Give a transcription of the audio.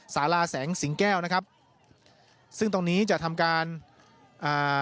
สาราแสงสิงแก้วนะครับซึ่งตรงนี้จะทำการอ่า